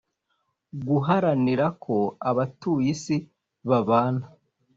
guharanira ko abatuye isi babana